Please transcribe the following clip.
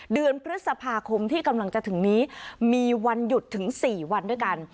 เดือนพฤษภาคมที่กำลังจะถึงนี้มีวันหยุดถึง๔วันด้วยกัน